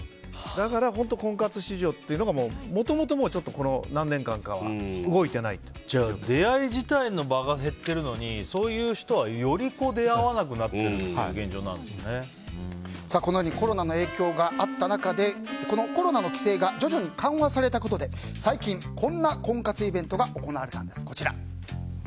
だから、婚活市場というのはもともとこの何年かは出会い自体の場が減ってるのにそういう人はより出会わなくなっているこのようにコロナの影響があった中でコロナの規制が徐々に緩和されたことで最近、こんな婚活イベントが行われたんです。